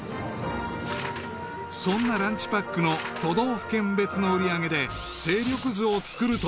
［そんなランチパックの都道府県別の売り上げで勢力図を作ると］